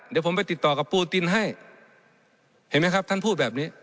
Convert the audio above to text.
เดี๋ยวผมไปติดต่อกับปูตินให้เห็นไหมครับท่านพูดแบบนี้